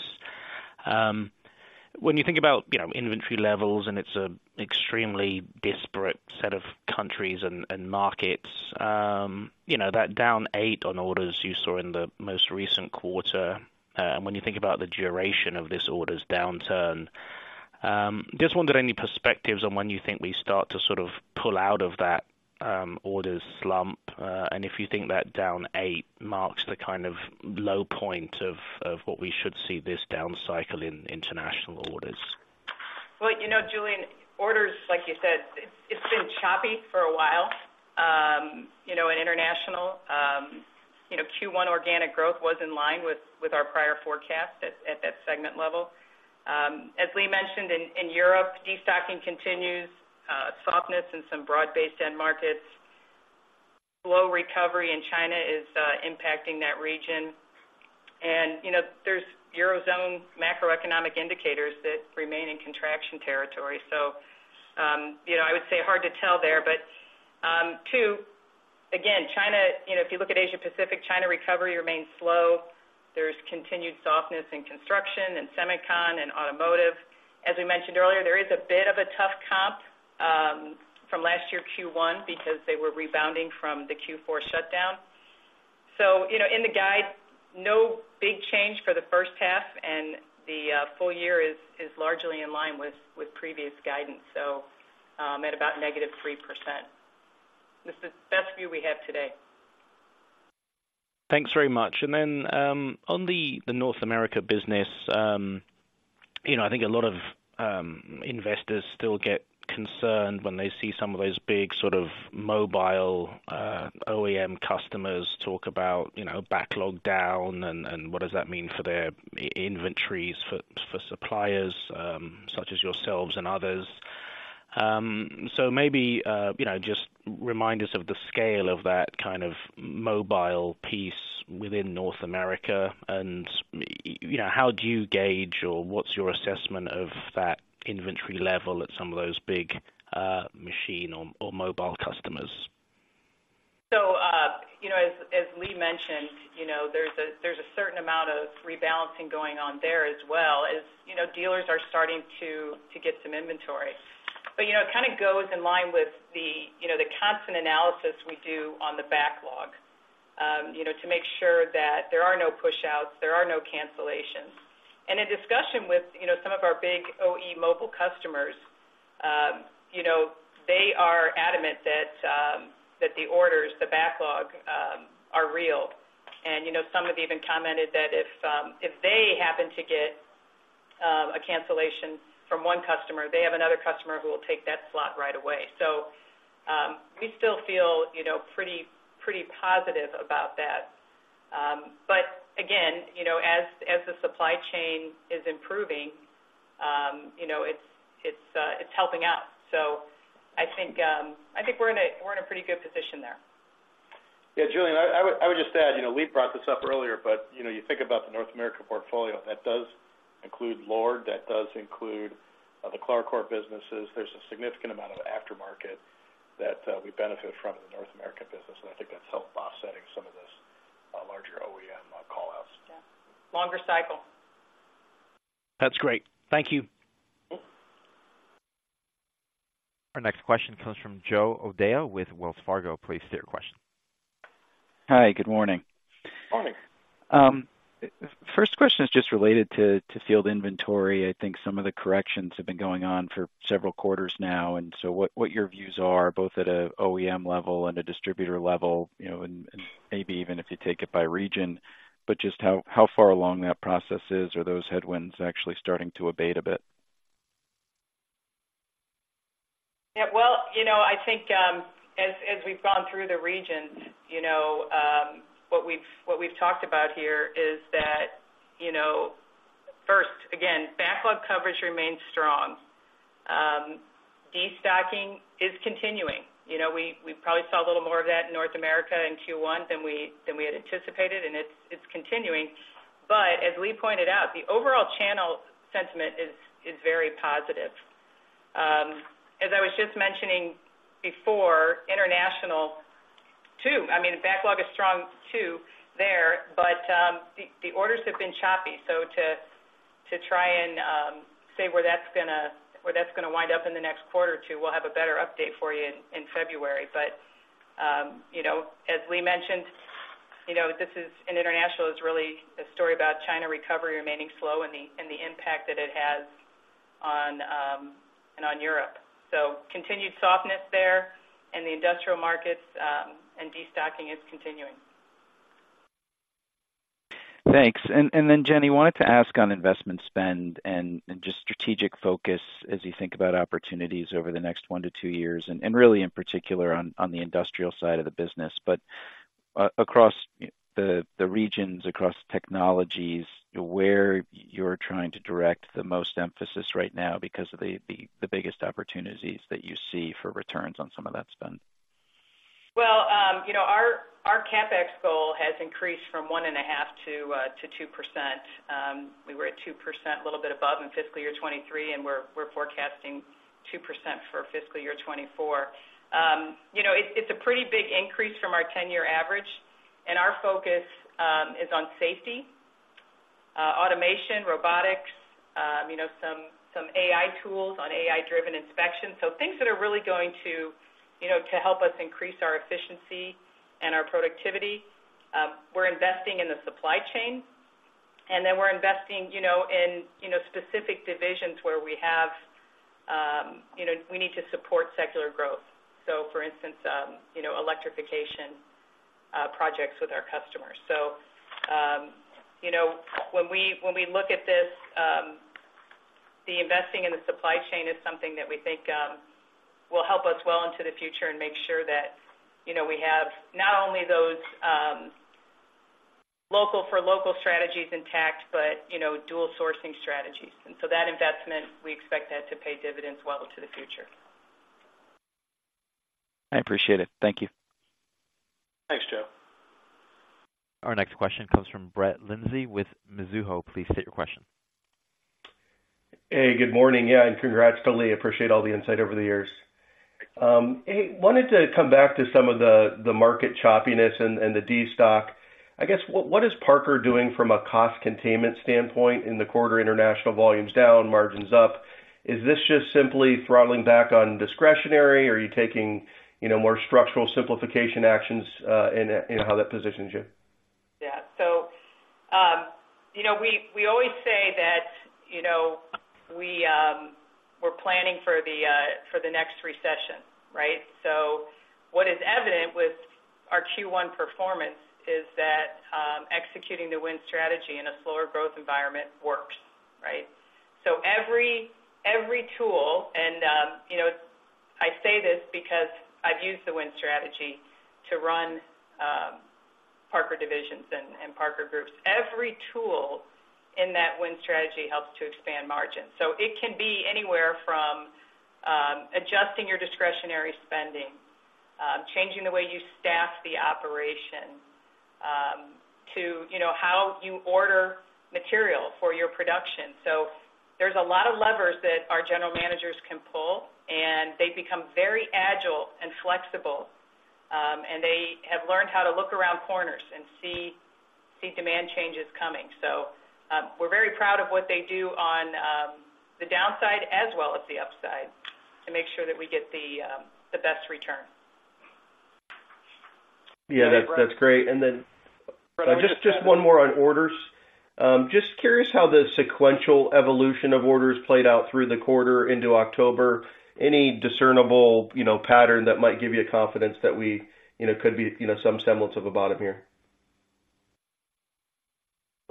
Speaker 11: When you think about you know inventory levels, and it's an extremely disparate set of countries and markets, you know that down eight on orders you saw in the most recent quarter, and when you think about the duration of this orders downturn- Just wondered, any perspectives on when you think we start to sort of pull out of that, orders slump, and if you think that down 8 marks the kind of low point of what we should see this down cycle in international orders?
Speaker 2: Well, you know, Julian, orders, like you said, it's been choppy for a while. You know, in international, you know, Q1 organic growth was in line with our prior forecast at that segment level. As Lee mentioned, in Europe, destocking continues, softness in some broad-based end markets. Slow recovery in China is impacting that region. And, you know, there's Eurozone macroeconomic indicators that remain in contraction territory. So, you know, I would say hard to tell there. But, too, again, China, you know, if you look at Asia Pacific, China, recovery remains slow. There's continued softness in construction, and semicon, and automotive. As we mentioned earlier, there is a bit of a tough comp from last year, Q1, because they were rebounding from the Q4 shutdown. You know, in the guide, no big change for the first half, and the full year is largely in line with previous guidance, so at about -3%. This is the best view we have today.
Speaker 11: Thanks very much. And then, on the North America business, you know, I think a lot of investors still get concerned when they see some of those big sort of mobile OEM customers talk about, you know, backlog down and what does that mean for their inventories, for suppliers such as yourselves and others. So maybe, you know, just remind us of the scale of that kind of mobile piece within North America, and you know, how do you gauge or what's your assessment of that inventory level at some of those big machine or mobile customers?
Speaker 2: So, you know, as Lee mentioned, you know, there's a certain amount of rebalancing going on there as well, as you know, dealers are starting to get some inventory. But, you know, it kind of goes in line with the constant analysis we do on the backlog, you know, to make sure that there are no pushouts, there are no cancellations. And in discussion with some of our big OE mobile customers, you know, they are adamant that the orders, the backlog, are real. And, you know, some have even commented that if they happen to get a cancellation from one customer, they have another customer who will take that slot right away. So, we still feel, you know, pretty positive about that. But again, you know, as the supply chain is improving, you know, it's helping out. So I think, I think we're in a pretty good position there.
Speaker 1: Yeah, Julian, I would just add, you know, Lee brought this up earlier, but, you know, you think about the North America portfolio, that does include Lord, that does include the Clarcor businesses. There's a significant amount of aftermarket that we benefit from in the North American business, and I think that's help offsetting some of this larger OEM callouts.
Speaker 2: Yeah, longer cycle.
Speaker 11: That's great. Thank you.
Speaker 2: Mm-hmm.
Speaker 4: Our next question comes from Joe O'Dea with Wells Fargo. Please state your question.
Speaker 12: Hi, good morning.
Speaker 1: Morning.
Speaker 12: First question is just related to field inventory. I think some of the corrections have been going on for several quarters now, and so what your views are, both at a OEM level and a distributor level, you know, and maybe even if you take it by region, but just how far along that process is, or those headwinds actually starting to abate a bit?
Speaker 2: Yeah, well, you know, I think, as we've gone through the regions, you know, what we've talked about here is that, you know, first, again, backlog coverage remains strong. Destocking is continuing. You know, we probably saw a little more of that in North America in Q1 than we had anticipated, and it's continuing. But as Lee pointed out, the overall channel sentiment is very positive. As I was just mentioning before, international, too, I mean, backlog is strong, too, there, but the orders have been choppy. So to try and say where that's gonna wind up in the next quarter or two, we'll have a better update for you in February. But, you know, as Lee mentioned, you know, this is, and international is really a story about China recovery remaining slow and the, and the impact that it has on, and on Europe. So continued softness there in the industrial markets, and destocking is continuing.
Speaker 12: Thanks. And then, Jenny, I wanted to ask on investment spend and just strategic focus as you think about opportunities over the next one to two years, and really in particular on the industrial side of the business. But across the regions, across technologies, where you're trying to direct the most emphasis right now because of the biggest opportunities that you see for returns on some of that spend?
Speaker 2: Well, you know, our CapEx goal has increased from 1.5%-2%. We were at 2%, a little bit above in fiscal year 2023, and we're forecasting 2% for fiscal year 2024. You know, it's a pretty big increase from our 10-year average, and our focus is on safety, automation, robotics, you know, some AI tools, AI-driven inspection. So things that are really going to, you know, to help us increase our efficiency and our productivity. We're investing in the supply chain, and then we're investing, you know, in specific divisions where we have, you know, we need to support secular growth. So for instance, you know, electrification projects with our customers. So, you know, when we, when we look at this, the investing in the supply chain is something that we think will help us well into the future and make sure that, you know, we have not only those local-for-local strategies intact, but, you know, dual sourcing strategies. And so that investment, we expect that to pay dividends well into the future.
Speaker 12: I appreciate it. Thank you.
Speaker 1: Thanks, Joe.
Speaker 4: Our next question comes from Brett Linzey with Mizuho. Please state your question.
Speaker 13: Hey, good morning. Yeah, and congrats to Lee. I appreciate all the insight over the years. Hey, wanted to come back to some of the market choppiness and the destock. I guess, what is Parker doing from a cost containment standpoint in the quarter, international volumes down, margins up? Is this just simply throttling back on discretionary, or are you taking, you know, more structural simplification actions, and, you know, how that positions you?
Speaker 2: Yeah. So, you know, we, we always say that, you know, we're planning for the next recession, right? So what is evident with our Q1 performance is that, executing the Win Strategy in a slower growth environment works, right? So every, every tool, and, you know, I say this because I've used the Win Strategy to run, Parker divisions and, and Parker groups. Every tool in that Win Strategy helps to expand margins. So it can be anywhere from, adjusting your discretionary spending, changing the way you staff the operation, to, you know, how you order material for your production. So there's a lot of levers that our general managers can pull, and they become very agile and flexible, and they have learned how to look around corners and see, see demand changes coming. We're very proud of what they do on the downside as well as the upside, to make sure that we get the best return.
Speaker 13: Yeah, that's, that's great. And then just, just one more on orders. Just curious how the sequential evolution of orders played out through the quarter into October. Any discernible, you know, pattern that might give you a confidence that we, you know, could be, you know, some semblance of a bottom here?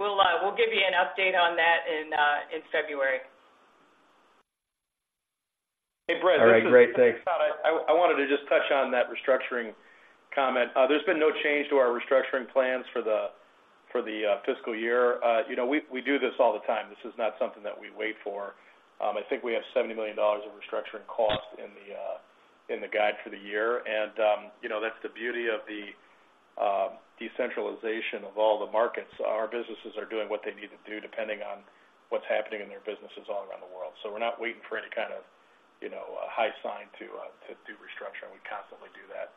Speaker 2: We'll give you an update on that in February.
Speaker 1: Hey, Brett-
Speaker 13: All right, great. Thanks.
Speaker 1: I wanted to just touch on that restructuring comment. There's been no change to our restructuring plans for the fiscal year. You know, we do this all the time. This is not something that we wait for. I think we have $70 million of restructuring costs in the guide for the year. And you know, that's the beauty of the decentralization of all the markets. Our businesses are doing what they need to do, depending on what's happening in their businesses all around the world. So we're not waiting for any kind of, you know, a high sign to do restructuring. We constantly do that.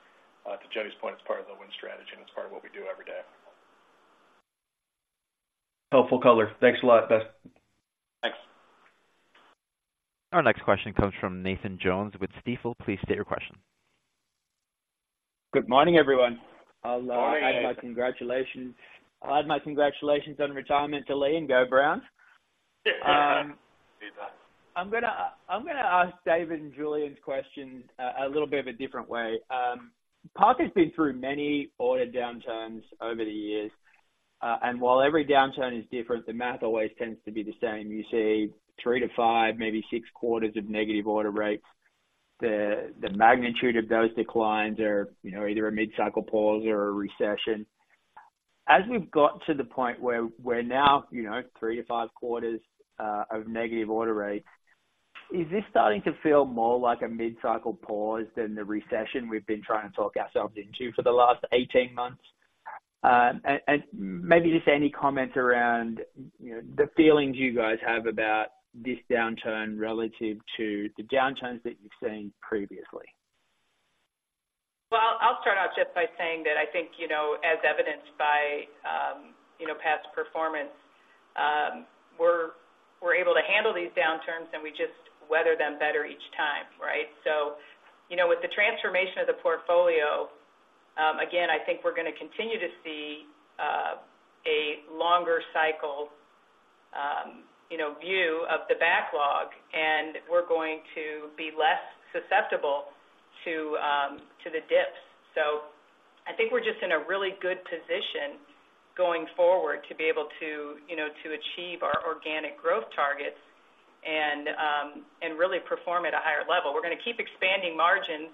Speaker 1: To Jenny's point, it's part of the Win Strategy, and it's part of what we do every day.
Speaker 13: Helpful color. Thanks a lot, guys.
Speaker 1: Thanks.
Speaker 4: Our next question comes from Nathan Jones with Stifel. Please state your question.
Speaker 14: Good morning, everyone.
Speaker 1: Good morning.
Speaker 14: I'll add my congratulations. I'll add my congratulations on retirement to Lee, and Go Browns.
Speaker 1: See that.
Speaker 14: I'm gonna ask David and Julian's question a little bit of a different way. Parker's been through many order downturns over the years, and while every downturn is different, the math always tends to be the same. You see 3-5, maybe 6 quarters of negative order rates. The magnitude of those declines are, you know, either a mid-cycle pause or a recession. As we've got to the point where we're now, you know, 3-5 quarters of negative order rates, is this starting to feel more like a mid-cycle pause than the recession we've been trying to talk ourselves into for the last 18 months? And maybe just any comments around, you know, the feelings you guys have about this downturn relative to the downturns that you've seen previously.
Speaker 2: Well, I'll start out just by saying that I think, you know, as evidenced by, you know, past performance, we're able to handle these downturns, and we just weather them better each time, right? So, you know, with the transformation of the portfolio, again, I think we're gonna continue to see a longer cycle, you know, view of the backlog, and we're going to be less susceptible to the dips. So I think we're just in a really good position going forward to be able to, you know, to achieve our organic growth targets and, and really perform at a higher level. We're gonna keep expanding margins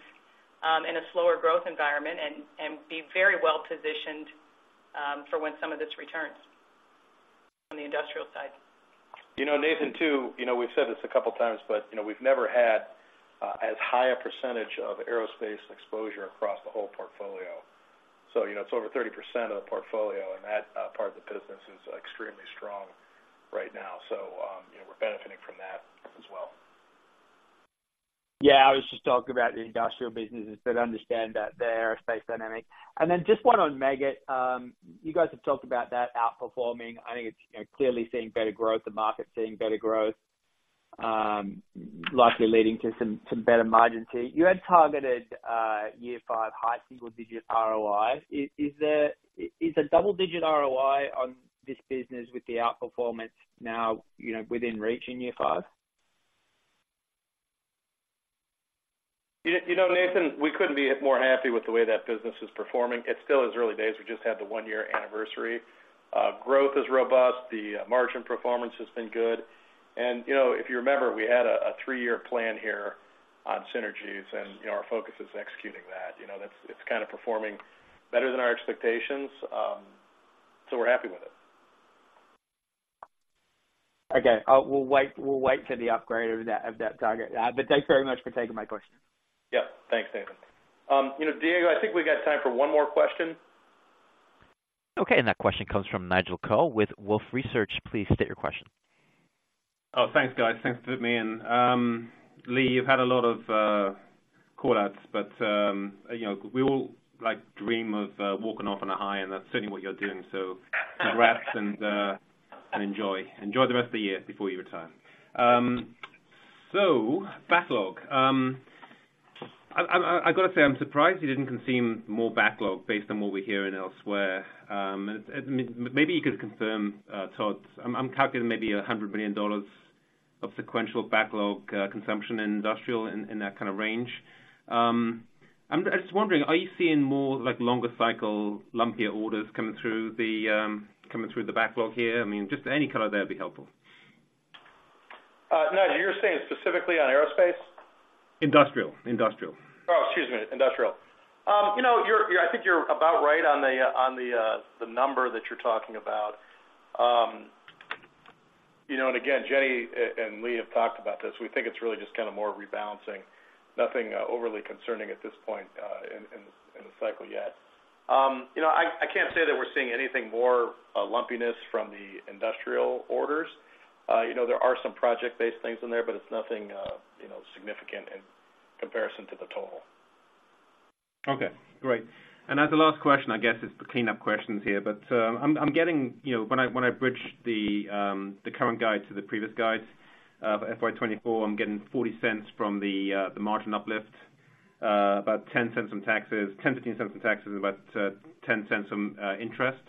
Speaker 2: in a slower growth environment and, and be very well positioned for when some of this returns on the industrial side.
Speaker 1: You know, Nathan, too, you know, we've said this a couple of times, but, you know, we've never had as high a percentage of aerospace exposure across the whole portfolio. So, you know, it's over 30% of the portfolio, and that part of the business is extremely strong right now. So, you know, we're benefiting from that as well.
Speaker 14: Yeah, I was just talking about the industrial businesses that understand that the aerospace dynamic. And then just one on Meggitt. You guys have talked about that outperforming. I think it's, you know, clearly seeing better growth, the market seeing better growth, likely leading to some better margin too. You had targeted year five, high single digit ROI. Is there a double digit ROI on this business with the outperformance now, you know, within reach in year five?
Speaker 1: You know, Nathan, we couldn't be more happy with the way that business is performing. It still is early days. We just had the one-year anniversary. Growth is robust, the margin performance has been good. And, you know, if you remember, we had a three-year plan here on synergies, and, you know, our focus is executing that. You know, that's. It's kind of performing better than our expectations, so we're happy with it.
Speaker 14: Okay. We'll wait for the upgrade of that target. But thanks very much for taking my question.
Speaker 1: Yep, thanks, Nathan. You know, Diego, I think we got time for one more question.
Speaker 4: Okay, and that question comes from Nigel Coe with Wolfe Research. Please state your question.
Speaker 15: Oh, thanks, guys. Thanks for letting me in. Lee, you've had a lot of call outs, but you know, we all like dream of walking off on a high, and that's certainly what you're doing. So congrats and and enjoy. Enjoy the rest of the year before you retire. So backlog. I gotta say, I'm surprised you didn't consume more backlog based on what we're hearing elsewhere. Maybe you could confirm, Todd, I'm calculating maybe $100 million of sequential backlog consumption in industrial, in that kind of range. I'm just wondering, are you seeing more like longer cycle, lumpier orders coming through the coming through the backlog here? I mean, just any color there would be helpful.
Speaker 1: Nigel, you're saying specifically on aerospace?
Speaker 15: Industrial. Industrial.
Speaker 1: Oh, excuse me, industrial. You know, you're, I think you're about right on the, on the, the number that you're talking about. You know, and again, Jenny and Lee have talked about this. We think it's really just kind of more rebalancing. Nothing, overly concerning at this point, in the cycle yet. You know, I, I can't say that we're seeing anything more, lumpiness from the industrial orders. You know, there are some project-based things in there, but it's nothing, you know, significant in comparison to the total.
Speaker 15: Okay, great. As the last question, I guess, it's the cleanup questions here, but, I'm getting... You know, when I bridge the current guide to the previous guides, for FY 2024, I'm getting $0.40 from the margin uplift, about $0.10 from taxes, $0.10-$0.15 from taxes, and about $0.10 from interest.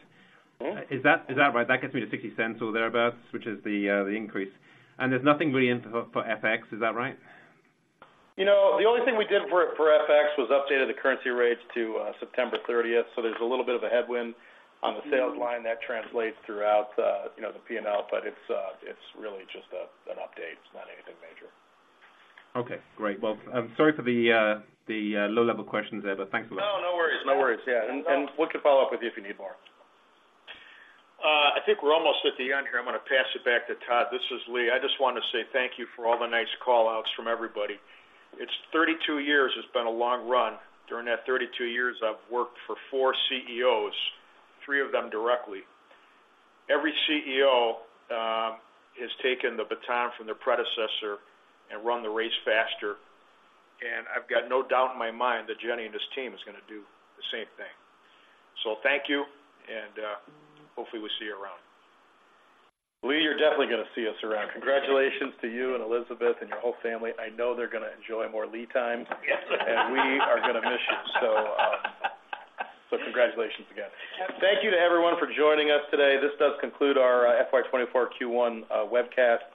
Speaker 1: Mm-hmm.
Speaker 15: Is that, is that right? That gets me to $0.60 or thereabouts, which is the increase. And there's nothing really in for FX. Is that right?
Speaker 1: You know, the only thing we did for FX was updated the currency rates to September thirtieth. So there's a little bit of a headwind on the sales line that translates throughout, you know, the P&L, but it's really just an update. It's not anything major.
Speaker 15: Okay, great. Well, I'm sorry for the low-level questions there, but thanks a lot.
Speaker 1: No, no worries. No worries. Yeah, and, and we can follow up with you if you need more.
Speaker 3: I think we're almost at the end here. I'm gonna pass it back to Todd. This is Lee. I just want to say thank you for all the nice callouts from everybody. It's 32 years, it's been a long run. During that 32 years, I've worked for four CEOs, three of them directly. Every CEO has taken the baton from their predecessor and run the race faster, and I've got no doubt in my mind that Jenny and his team is gonna do the same thing. So thank you, and hopefully we'll see you around.
Speaker 1: Lee, you're definitely gonna see us around. Congratulations to you and Elizabeth and your whole family. I know they're gonna enjoy more Lee time. And we are gonna miss you. So, so congratulations again. Thank you to everyone for joining us today. This does conclude our FY 2024 Q1 webcast.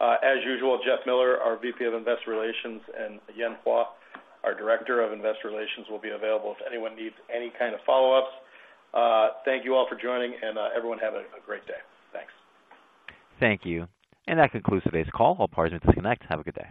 Speaker 1: As usual, Jeff Miller, our VP of Investor Relations, and Yan Hua, our Director of Investor Relations, will be available if anyone needs any kind of follow-ups. Thank you all for joining, and, everyone, have a great day. Thanks.
Speaker 4: Thank you. And that concludes today's call. All parties disconnect. Have a good day.